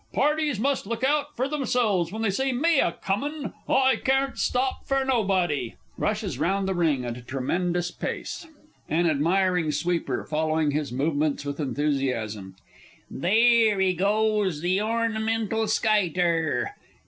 Parties must look out fur themselves when they see me a comin', I carn't stop fur nobody! [Rushes round the ring at a tremendous pace. AN ADMIRING SWEEPER (following his movements with enthusiasm). Theer he goes the Ornimental Skyter!